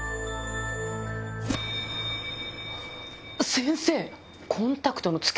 先生！